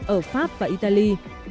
ở pháp và italy